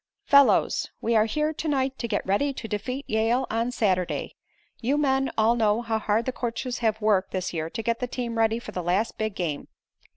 "Fellows, we are here to night to get ready to defeat Yale on Saturday. You men all know how hard the coaches have worked this year to get the team ready for the last big game.